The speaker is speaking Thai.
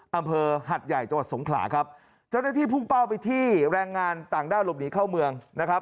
อำเภอหัดใหญ่จังหวัดสงขลาครับเจ้าหน้าที่พุ่งเป้าไปที่แรงงานต่างด้าวหลบหนีเข้าเมืองนะครับ